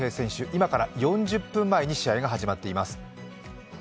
今から４０分前に試合が始まっています。